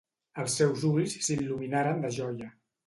Els seus ulls s'il·luminaren de joia.